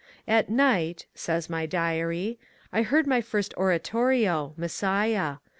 ^^ At night," says my diary, '* I heard my first oratorio Q Messiah